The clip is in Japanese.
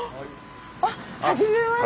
あっはじめまして！